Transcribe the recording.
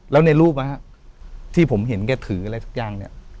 แล้วในรูปที่ผมเห็นแกถืออะไรสักอย่างเนี่ย